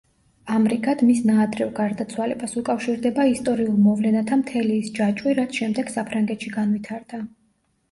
ამრიგად, მის ნაადრევ გარდაცვალებას უკავშირდება ისტორიულ მოვლენათა მთელი ის ჯაჭვი, რაც შემდეგ საფრანგეთში განვითარდა.